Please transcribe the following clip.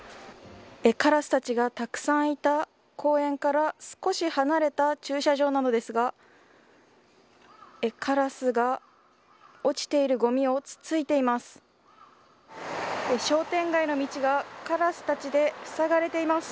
カラスたちがたくさんいた公園から少し離れた駐車場なのですがカラスが落ちているごみをつついています。